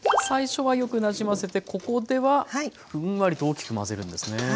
最初はよくなじませてここではふんわりと大きく混ぜるんですね。